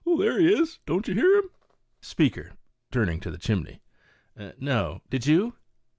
" There he is I don't you hear him ?" Speaker (turning to the chimney). " No, did you?"